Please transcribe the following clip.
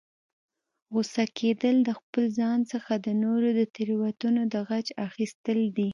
غوسه کیدل، د خپل ځان څخه د نورو د تیروتنو د غچ اخستل دي